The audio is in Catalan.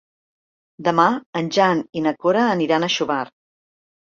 Demà en Jan i na Cora aniran a Xóvar.